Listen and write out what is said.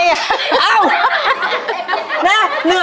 เหนื่อยแล้วมันละบายกันเลยแก